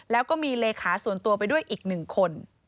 แล้วก็มีเลขาส่วนตัวไปด้วยอีก๑คน